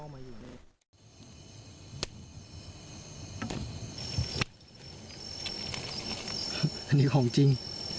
อันนี้ของจริง